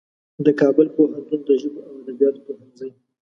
د کابل پوهنتون د ژبو او ادبیاتو پوهنځي